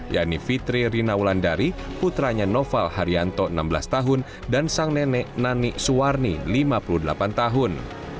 yakni fitri rina wulandari putranya noval haryanto enam belas tahun dan sang nenek nani suwarni lima puluh delapan tahun